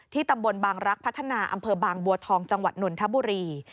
ตำบลบางรักพัฒนาอำเภอบางบัวทองจังหวัดนนทบุรี